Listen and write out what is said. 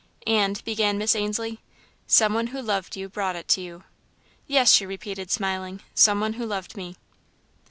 "And " began Miss Ainslie. "Some one who loved you brought it to you." "Yes," she repeated, smiling, "some one who loved me."